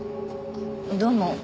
どうも。